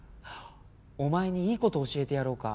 お前にいいこと教えてやろうか？